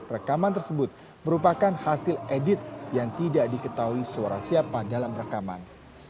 rekaman tersebut merupakan hasil edit yang tidak diketahui suara siapa dalam rekaman